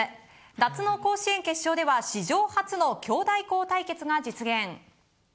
夏の甲子園決勝では史上初の兄弟校対決が実現。